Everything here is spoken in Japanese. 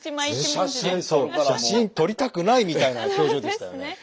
「写真撮りたくない！」みたいな表情でしたよね。